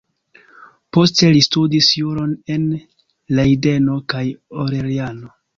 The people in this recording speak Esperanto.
Poste li studis juron en Lejdeno kaj Orleano.